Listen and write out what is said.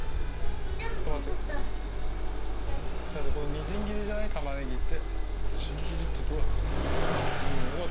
みじん切りじゃない玉ねぎって。